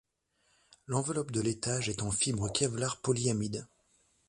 L'enveloppe de l'étage est en fibre Kevlar-polyamide.